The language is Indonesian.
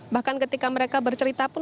bahkan ketika mereka bercerita pun